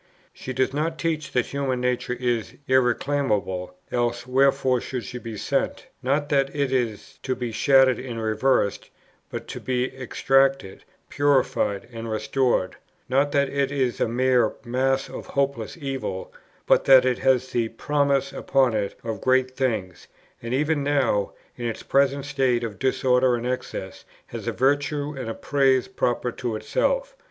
She does not teach that human nature is irreclaimable, else wherefore should she be sent? not, that it is to be shattered and reversed, but to be extricated, purified, and restored; not, that it is a mere mass of hopeless evil, but that it has the promise upon it of great things, and even now, in its present state of disorder and excess, has a virtue and a praise proper to itself.